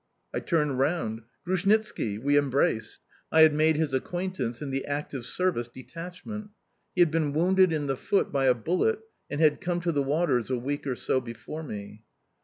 I turned round. Grushnitski! We embraced. I had made his acquaintance in the active service detachment. He had been wounded in the foot by a bullet and had come to the waters a week or so before me.